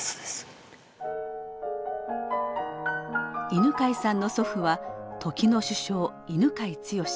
犬養さんの祖父は時の首相犬養毅。